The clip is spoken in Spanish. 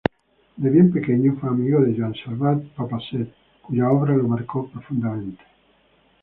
De bien pequeño fue amigo de Joan Salvat-Papasseit, cuya obra lo marcó profundamente.